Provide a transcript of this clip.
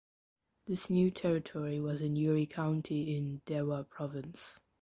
This new territory was in Yuri County in Dewa Province.